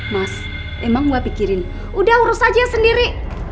mas emang gue pikirin udah urus aja sendiri